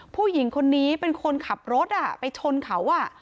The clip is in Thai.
ผู้หญิงคนนี้เป็นคนขับรถไปชนเขา